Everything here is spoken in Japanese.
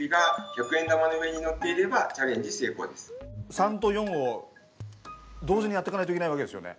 ３と４を同時にやっていかないといけないわけですよね。